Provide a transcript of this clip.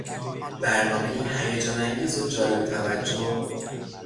برنامهای هیجان انگیز و جالب توجه